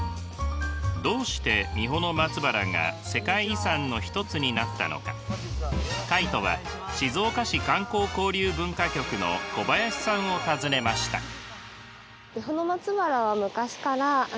どうして三保松原が世界遺産の一つになったのかカイトは静岡市観光交流文化局の小林さんを訪ねました。